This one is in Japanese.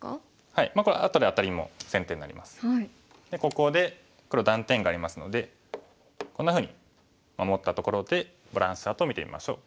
ここで黒断点がありますのでこんなふうに守ったところでバランスチャートを見てみましょう。